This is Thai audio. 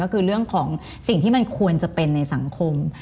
ก็คือเรื่องของสิ่งที่มันควรจะเป็นในสังคม